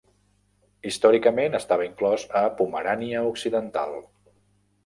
Històricament, estava inclòs a Pomerània Occidental.